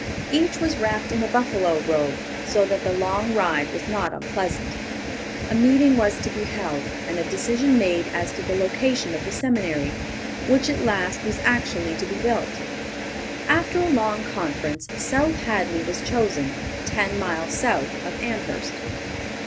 Each was wrapped in a buffalo robe, so that the long ride was not unpleasant. A meeting was to be held, and a decision made as to the location of the seminary, which, at last, was actually to be built. After a long conference, South Hadley was chosen, ten miles south of Amherst.